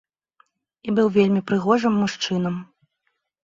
І быў вельмі прыгожым мужчынам.